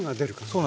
そう。